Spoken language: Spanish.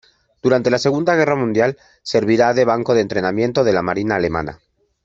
Durante la Segunda Guerra Mundial servirá de blanco de entrenamiento de la Marina alemana.